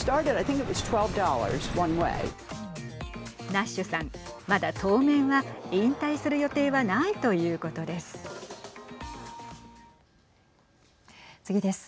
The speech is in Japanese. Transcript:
ナッシュさん、まだ当面は引退する予定はないということです。